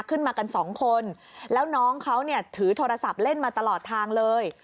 ขึ้นมากันสองคนแล้วน้องเขาเนี่ยถือโทรศัพท์เล่นมาตลอดทางเลย